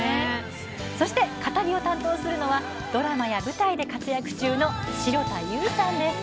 そして語りを担当するのはドラマや舞台で活躍中の城田優さんです。